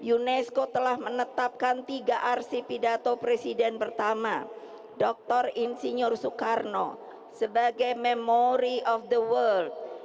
unesco telah menetapkan tiga arsi pidato presiden pertama dr insinyur soekarno sebagai memory of the world